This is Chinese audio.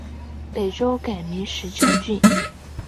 北周改名石城郡。